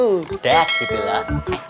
udah gitu lah